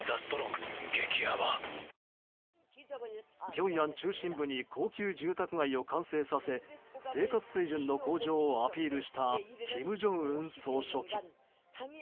ピョンヤン中心部に高級住宅街を完成させ生活水準の向上をアピールした金正恩総書記。